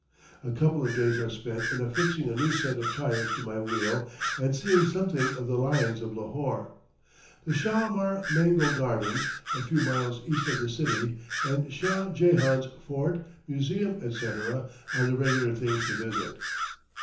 A couple of days are spent in affixing a new set of tires to my wheel and seeing something of the lions of Lahore. The Shalamar Mango Gardens, a few miles east of the city, and Shah Jehan's fort, museum, etc., are the regular things to visit.